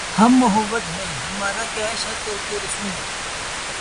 ہم موّحد ہیں‘ ہمارا کیش ہے ترکِ رسوم